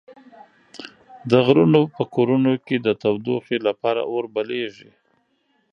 د غرونو په کورونو کې د تودوخې لپاره اور بليږي.